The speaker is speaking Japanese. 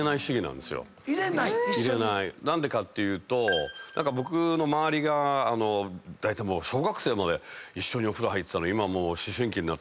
何でかっていうと僕の周りがだいたい小学生まで一緒にお風呂入ってたのに今もう。